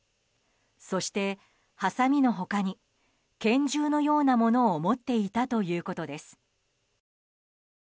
そして、はさみの他に拳銃のようなものを持っていたということです。